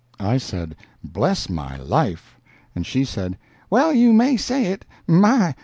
I said, "Bless my life!" And she said, "Well you may say it! My!